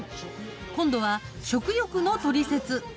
今度は「食欲のトリセツ」。